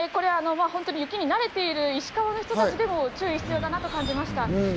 本当に雪に慣れている石川の人たちでも注意が必要だなと感じました。